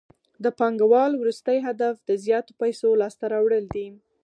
د پانګوال وروستی هدف د زیاتو پیسو لاسته راوړل دي